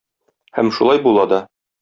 Һәм шулай була да.